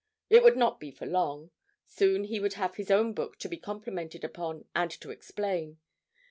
It would not be for long; soon he would have his own book to be complimented upon and to explain.